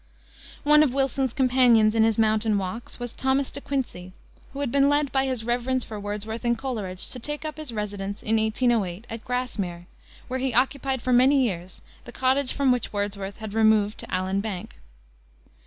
One of Wilson's companions, in his mountain walks, was Thomas De Quincey, who had been led by his reverence for Wordsworth and Coleridge to take up his residence, in 1808, at Grasmere, where he occupied for many years the cottage from which Wordsworth had removed to Allan Bank.